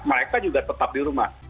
mereka juga tetap di rumah